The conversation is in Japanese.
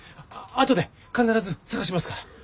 あとで必ず捜しますから。